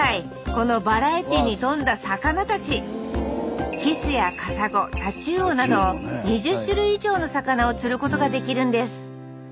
このバラエティーに富んだ魚たちなど２０種類以上の魚を釣ることができるんです